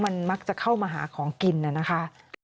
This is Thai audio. มันมักจะเข้ามาหาของกินน่ะนะคะ